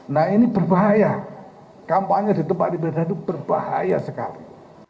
nah ini berbahaya kampanye di tempat ibadah itu berbahaya sekali